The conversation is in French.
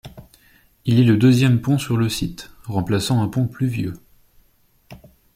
Il est le deuxième pont sur le site, remplaçant un pont plus vieux.